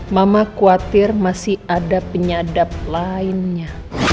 mama khawatir masih ada penyadap lainnya